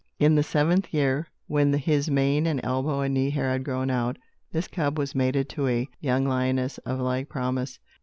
In the seventh year, when his mane and elbow and knee hair had grown out, this cub was mated to a young lioness of like promise.